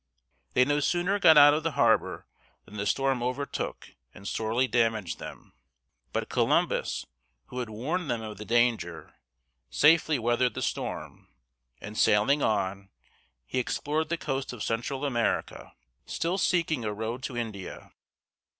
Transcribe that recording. They no sooner got out of the harbor than the storm overtook and sorely damaged them. But Columbus, who had warned them of the danger, safely weathered the storm, and, sailing on, he explored the coast of Central America, still seeking a road to India.